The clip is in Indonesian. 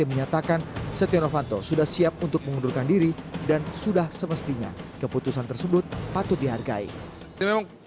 menyatakan stiano fantos tidak akan menangani keputusan peradilan stiano fantos